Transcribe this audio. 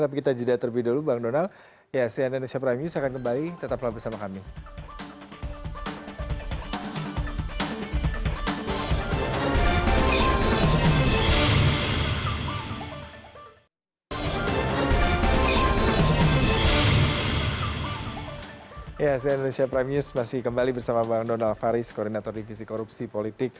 tapi kita juda terlebih dahulu bang donal